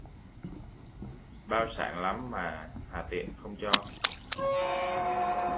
Bao sản lắm mà hà tiện không cho